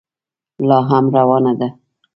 لا هم روانه ده.